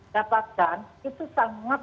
dapatkan itu sangat